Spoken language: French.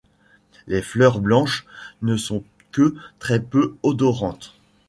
Les fleurs blanches ne sont que très peu odorantes.